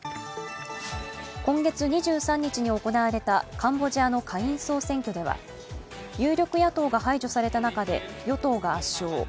今月２３日に行われたカンボジアの下院総選挙では有力野党が排除された中で与党が圧勝。